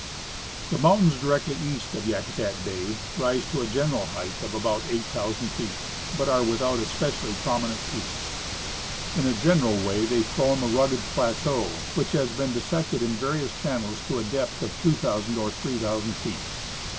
The mountains directly east of Yakutat bay rise to a general height of about 8,000 feet, but are without especially jDrominent peaks. In a general way they form a rugged plateau, which has been dissected in various channels to depth of 2,000 or 3,000 feet.